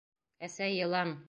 — Әсәй, йылан!..